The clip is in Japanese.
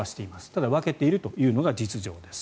ただ分けているのが実情です。